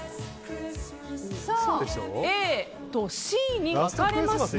ＡとＣに分かれました。